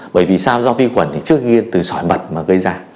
bởi vì sao do vi khuẩn thì trước kia từ sỏi mật mà gây ra